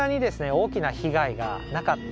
大きな被害がなかった。